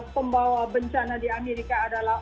pembawa bencana di amerika adalah